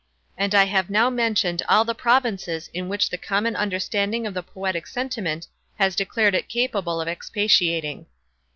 And I have now mentioned all the provinces in which the common understanding of the poetic sentiment has declared it capable of expatiating.